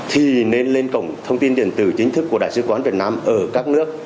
thì nên lên cổng thông tin điện tử chính thức của đại sứ quán việt nam ở các nước